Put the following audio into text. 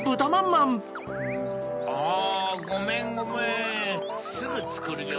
あごめんごめんすぐつくるよ。